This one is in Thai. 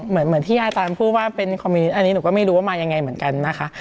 เหมือนที่อาจารย์พูดว่าเป็นคอมเมนต์อันนี้หนูก็ไม่รู้ว่ามายังไงเหมือนกันนะคะ